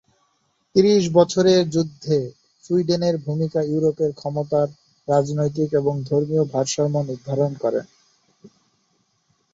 তিরিশ বছরের যুদ্ধে সুইডেনের ভূমিকা ইউরোপের ক্ষমতার রাজনৈতিক এবং ধর্মীয় ভারসাম্য নির্ধারণ করে।